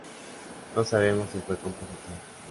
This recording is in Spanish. No sabemos si fue compositor.